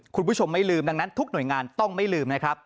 คุณผู้ชมไม่ลืมดังนั้นทุกหน่วยงานต้องไม่ลืมนะครับ